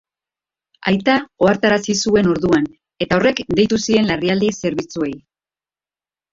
Aita ohartarazi zuen orduan, eta horrek deitu zien larrialdi zerbitzuei.